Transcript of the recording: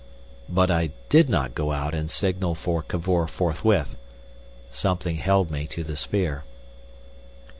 But I did not go out and signal for Cavor forthwith. Something held me to the sphere.